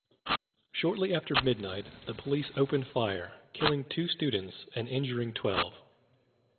Shortly after midnight, the police opened fire, killing two students and injuring twelve.